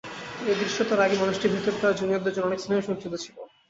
তবে দৃশ্যত রাগী মানুষটির ভেতরে তাঁর জুনিয়রদের জন্য অনেক স্নেহ সঞ্চিত ছিল।